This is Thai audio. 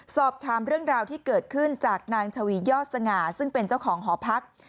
สอบถามเรื่องราวที่เกิดขึ้นจากนางชวียอดสง่าซึ่งเป็นเจ้าของหอพัก